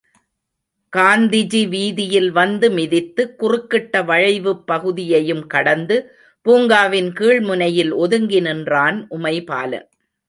காந்திஜி வீதியில் வந்து மிதித்து, குறுக்கிட்ட வளைவுப் பகுதியையும் கடந்து, பூங்காவின் கீழ் முனையில் ஒதுங்கி நின்றான் உமைபாலன்.